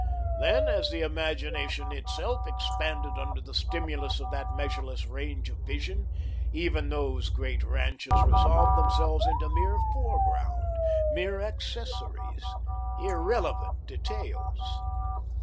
Then, as the imagination itself expanded under the stimulus of that measureless range of vision, even those great ranches resolved themselves into mere foreground, mere accessories, irrelevant details.